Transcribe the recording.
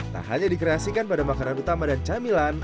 tak hanya dikreasikan pada makanan utama dan camilan